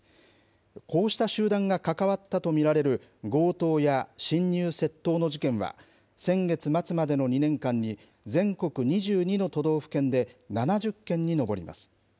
こうした集団が関わったと見られる強盗や侵入窃盗の事件は、先月末までの２年間に、全国２２の都道府県で７０件に上ります。